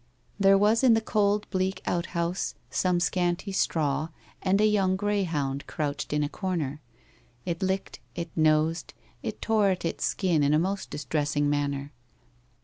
There was in the cold bleak outhouse some scanty straw and a young greyhound crouched in a corner. It licked, it nosed, it tore at its skin in a most distressing manner.